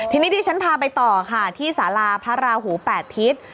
ทีนี้ที่ฉันพาไปต่อค่ะที่สาราพระราหู๘ทิศ